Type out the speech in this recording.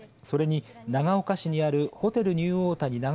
それに、長岡市にあるホテルニューオータニ